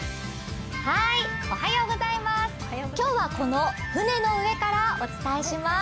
今日はこの舟の上からお伝えします。